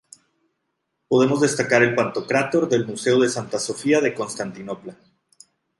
Podemos destacar el Pantocrátor del Museo de Santa Sofía de Constantinopla.